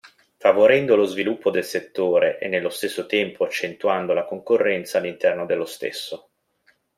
Favorendo lo sviluppo del settore e nello stesso tempo accentuando la concorrenza all'interno dello stesso.